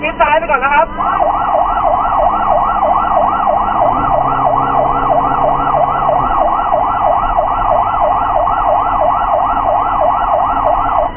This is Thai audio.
กิ๊ดซ้ายไปก่อนนะครับฉุกเฉินเท่ากันแม่นะครับ